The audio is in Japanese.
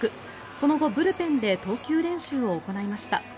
その後、ブルペンで投球練習を行いました。